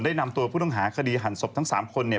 นำตัวผู้ต้องหาคดีหั่นศพทั้ง๓คนเนี่ย